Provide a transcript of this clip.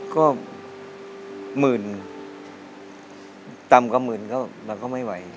ก็หมื่นต่ำกว่าหมื่นก็เราก็ไม่ไหว